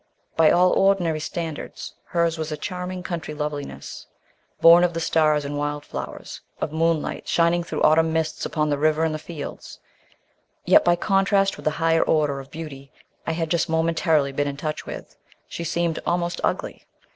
By all ordinary standards, her's was a charming country loveliness, born of the stars and wild flowers, of moonlight shining through autumn mists upon the river and the fields; yet, by contrast with the higher order of beauty I had just momentarily been in touch with, she seemed almost ugly.